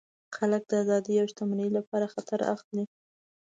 خلک د آزادۍ او شتمنۍ لپاره خطر اخلي.